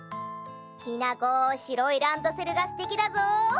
きなこしろいランドセルがすてきだぞ。